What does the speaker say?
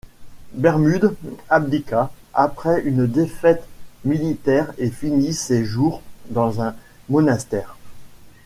Bermude abdiqua après une défaite militaire et finit ses jours dans un monastère.